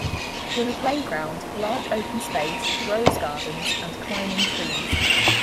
With a playground, large open space, rose gardens and climbing trees.